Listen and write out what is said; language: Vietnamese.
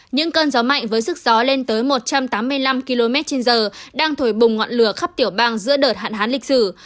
những cơn gió mạnh với sức gió lên tới một trăm tám mươi năm km trên giờ đang thổi bùng ngọn lửa khắp tiểu bang giữa đợt hạn hán lịch sử